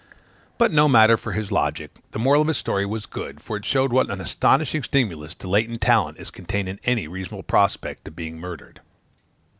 But no matter for his logic. The moral of his story was good, for it showed what an astonishing stimulus to latent talent is contained in any reasonable prospect of being murdered.